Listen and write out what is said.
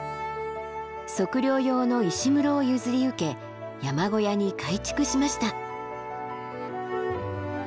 測量用の石室を譲り受け山小屋に改築しました。